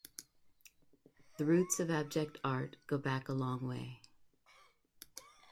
The roots of Abject art go back a long way.